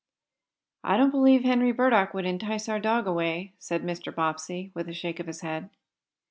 "I don't believe Henry Burdock would entice our dog away," said Mr. Bobbsey, with a shake of his head.